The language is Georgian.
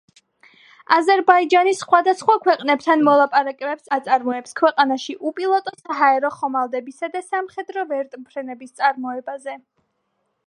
აზერბაიჯანი სხვადასხვა ქვეყნებთან მოლაპარაკებებს აწარმოებს ქვეყანაში უპილოტო საჰაერო ხომალდებისა და სამხედრო ვერტმფრენების წარმოებაზე.